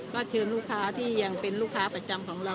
ก็เชิญลูกค้าที่ยังเป็นลูกค้าประจำของเรา